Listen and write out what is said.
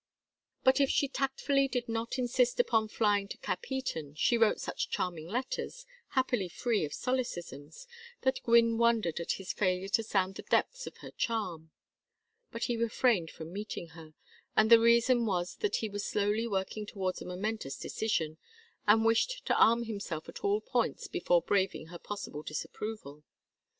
But if she tactfully did not insist upon flying to Capheaton, she wrote such charming letters, happily free of solecisms, that Gwynne wondered at his failure to sound the depths of her charm. But he refrained from meeting her, and the reason was that he was slowly working towards a momentous decision, and wished to arm himself at all points before braving her possible disapproval.